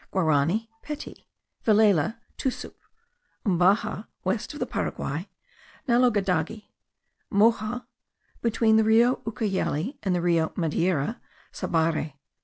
Guarany; pety: Vilela; tusup: Mbaja (west of the Paraguay), nalodagadi: Moxo (between the Rio Ucayale and the Rio Madeira); sabare.